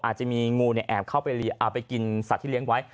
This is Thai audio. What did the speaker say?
อาจจะมีงูแอบเข้าไปกินสัตว์ที่เลี้ยงไว้